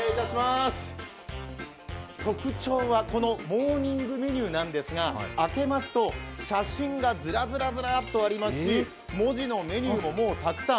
特徴はこのモーニングメニューなんですが、開けますと写真がずらずらずらっとありますし、文字のメニューも、もうたくさん。